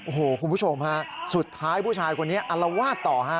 โอ้โหคุณผู้ชมฮะสุดท้ายผู้ชายคนนี้อลวาดต่อฮะ